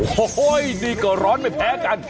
โอ้โหนี่ก็ร้อนไม่แพ้กัน